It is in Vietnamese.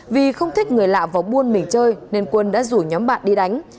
vì không thích người lạ vào buôn mình chơi nên quân đã rủ nhóm bạn đi đánh